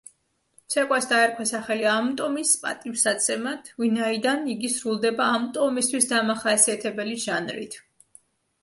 ცეკვას დაერქვა სახელი ამ ტომის პატივსაცემად, ვინაიდან იგი სრულდება ამ ტომისთვის დამახასიათებელი ჟანრით.